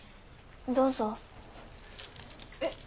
どうぞ。えっ？